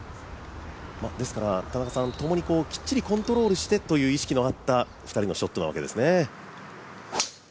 ですから、ともにきっちりコントロールしてという２人のショットということですね。